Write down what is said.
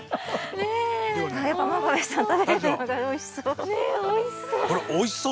ねえおいしそう。